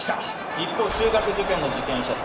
一方中学受験の受験者数